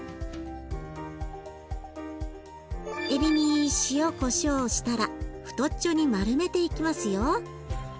エビに塩こしょうをしたら太っちょに丸めていきますよ。